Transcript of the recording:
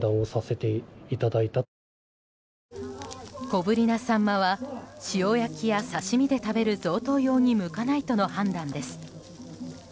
小ぶりなサンマは塩焼きや刺し身で食べる贈答用に向かないとの判断です。